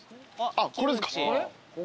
あっこれですか。